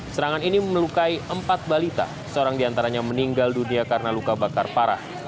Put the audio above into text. serangan ini melukai empat balita seorang diantaranya meninggal dunia karena luka bakar parah